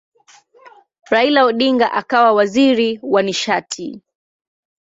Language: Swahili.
Raila Odinga akawa waziri wa nishati.